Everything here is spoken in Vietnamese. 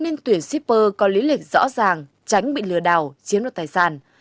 nên tuyển shipper có lý lịch rõ ràng tránh bị lừa đảo chiếm đoạt tài sản